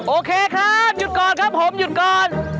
โอเคครับหยุดก่อนครับผมหยุดก่อน